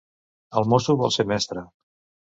El mosso vol ser mestre.